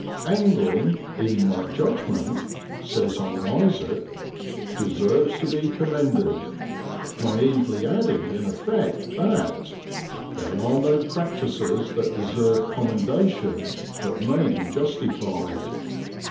' Angling, in my judgment,' says old Izaak, * deserves to be commended,' naively adding in effect that i there are no practices that deserve commendation but may be justified.'